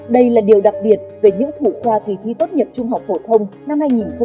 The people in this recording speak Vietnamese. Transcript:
đây là điều đặc biệt về những thủ khoa kỳ thi tốt nghiệp trung học phổ thông năm hai nghìn hai mươi